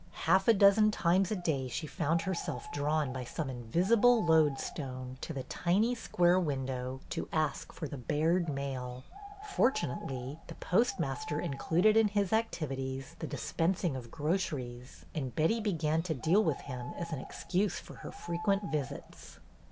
Half a dozen times a day she found herself drawn by some invisible lode stone to the tiny square window, to ask for the Baird mail. Fortunately, the postmaster included in his activities the dispensing of groceries, and Betty began to deal with him as an excuse for her frequent visits.